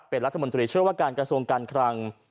เป็นรัฐมนตรีเชื่อว่าการกระทรวงการคลัง